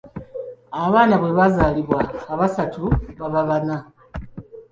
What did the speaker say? Abaana bwe bazaalibwa abasatu baba baana.